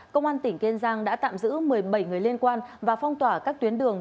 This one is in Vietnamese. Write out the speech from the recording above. công an tỉnh kiên giang đã tạm giữ một mươi bảy người liên quan và phong tỏa các tuyến đường